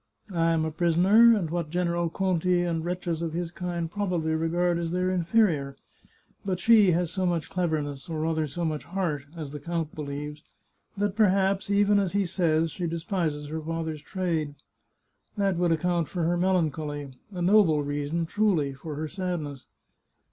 I am a prisoner, and what General Conti and wretches of his kind probably re gard as their inferior, ... but she has so much cleverness, or rather so much heart, as the count believes, that per haps, even as he says, she despises her father's trade. That would account for her melancholy. A noble reason, truly, for her sadness.